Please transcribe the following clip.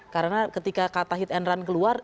karena ketika kata hit and run keluar